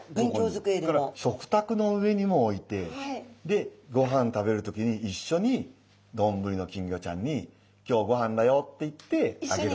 それから食卓の上にも置いてごはん食べる時に一緒にどんぶりの金魚ちゃんに「今日ごはんだよ」って言ってあげることもできる。